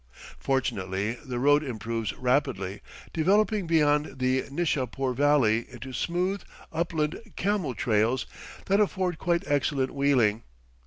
Fortunately the road improves rapidly, developing beyond the Nishapoor Valley into smooth, upland camel trails that afford quite excellent wheeling.